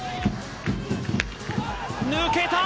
抜けた！